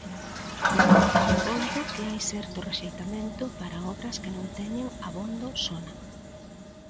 Coido que hai certo rexeitamento para obras que non teñen abondo sona.